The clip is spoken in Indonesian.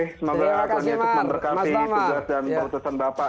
semoga berhasil memberkati tugas dan keputusan bapak